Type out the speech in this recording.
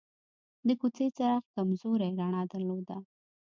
د کوڅې څراغ کمزورې رڼا درلوده.